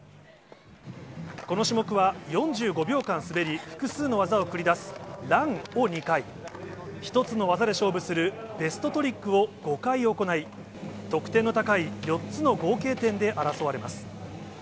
この種目は４５秒間滑り、複数の技を繰り出すランを２回、１つの技で勝負するベストトリックを５回行い、得点の高い４つの合計点で争われます。